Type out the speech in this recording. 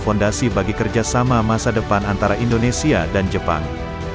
fondasi bagi kerjasama masa depan antara indonesia dan jepang